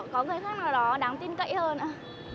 có người khác nào đó đáng tin cậy hơn ạ